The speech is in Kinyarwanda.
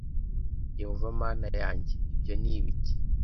yehova mana yanjye ibyo ni ibiki‽